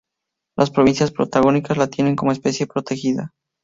Las provincias patagónicas la tienen como especie protegida.